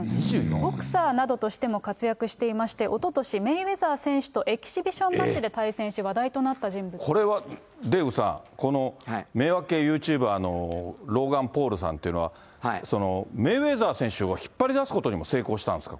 ボクサーなどとしても活躍していまして、おととし、メイウェザー選手とエキシビションマッチで対戦し、話題となったこれはデーブさん、この迷惑系ユーチューバーのローガン・ポールさんというのは、メイウェザー選手を引っ張り出すことにも成功したんですか？